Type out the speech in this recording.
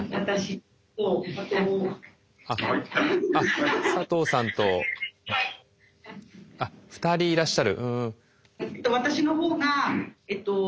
あっ佐藤さんと。あっ２人いらっしゃる。